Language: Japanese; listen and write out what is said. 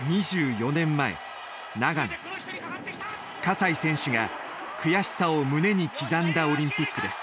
西選手が悔しさを胸に刻んだオリンピックです。